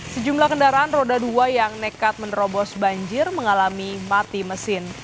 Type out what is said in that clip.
sejumlah kendaraan roda dua yang nekat menerobos banjir mengalami mati mesin